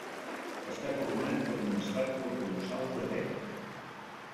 Està coronat per una estàtua colossal d'Atena.